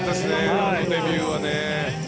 あのデビューはね。